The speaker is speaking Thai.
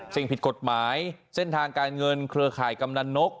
สิ่งผิดกฎหมายเส้นทางการเงินเครือข่ายกำนันนก